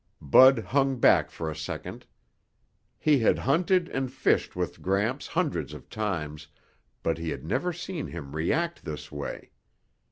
Bud hung back for a second. He had hunted and fished with Gramps hundreds of times, but he had never seen him react this way.